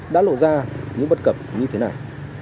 đã lộ ra những bất cập như thế này